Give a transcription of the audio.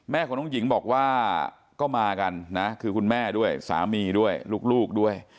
แม่ของน้องหญิงบอกว่าก็มากันนะคือคุณแม่ด้วยสามีด้วยลูกด้วย